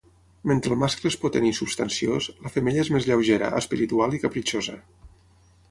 Mentre el mascle és potent i substanciós, la femella és més lleugera, espiritual i capritxosa.